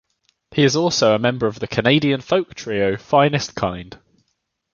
He is also a member of the Canadian folk trio Finest Kind.